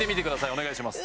お願いします